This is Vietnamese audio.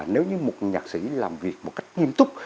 nếu như một nhạc sĩ làm việc một cách nghiêm túc